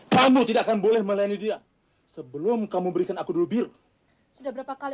kamu tidak akan boleh melayani dia sebelum kamu memberikan aku dulu biru sudah berapa kali